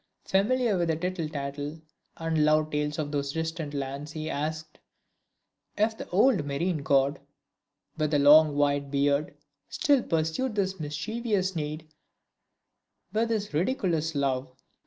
Familiar with the tittle tattle and love tales of those distant lands he asked: "If the old marine god, with the long white beard, still pursued this mischievous naiad with his ridiculous love?"